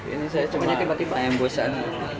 ini saya kebanyakan banyak busan